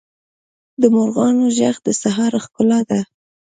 د مرغانو ږغ د سهار ښکلا ده.